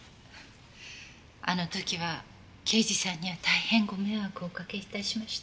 あの時は刑事さんには大変ご迷惑をおかけ致しました。